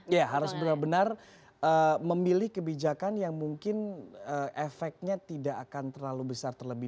ya harus benar benar memilih kebijakan yang mungkin efeknya tidak akan terlalu besar terlebih